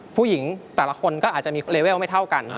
ผู้หญิงแต่ละคนก็อาจจะมีเลเวลไม่เท่ากัน